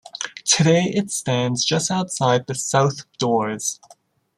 Today it stands just outside the south doors.